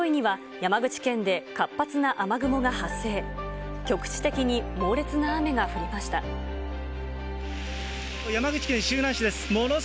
山口県周南市です。